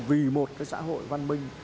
vì một cái xã hội văn minh